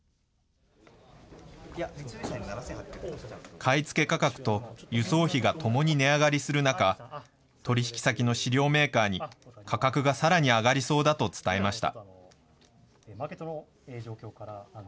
買い付け価格と輸送費がともに値上がりする中、取り引き先の飼料メーカーに、価格がさらに上がりそうだと伝えました。